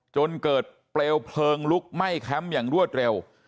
จนเกิดเปลวเพลิงลุกไหม้แคมป์อย่างรวดเร็ว